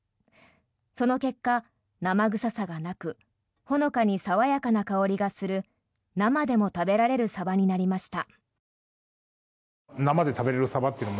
その結果、生臭さがなくほのかに爽やかな香りがする生でも食べられるサバになりました。